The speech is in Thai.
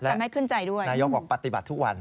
จะไม่ขึ้นใจด้วยนายกบอกปฏิบัติทุกวัน